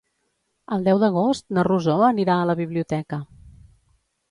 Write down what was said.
El deu d'agost na Rosó anirà a la biblioteca.